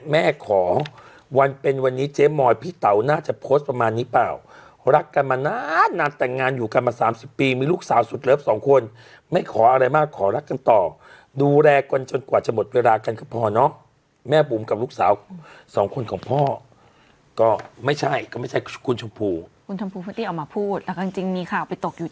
แม่ขอวันเป็นวันนี้เจ๊มอยพี่เต๋าน่าจะโพสต์ประมาณนี้เปล่ารักกันมานานนานแต่งงานอยู่กันมาสามสิบปีมีลูกสาวสุดเลิฟสองคนไม่ขออะไรมากขอรักกันต่อดูแลกันจนกว่าจะหมดเวลากันคือพอเนอะแม่บุ๋มกับลูกสาวสองคนของพ่อก็ไม่ใช่ก็ไม่ใช่คุณชมพูคุณชมพูไม่ได้เอามาพูดแล้วก็จริงมีข่าวไปตกอยู่